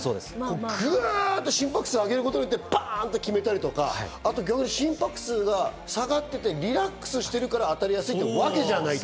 グワと心拍数を上げることによってバンと決めたり、心拍数が下がっていてリラックスしてるから当たりやすいってわけじゃない。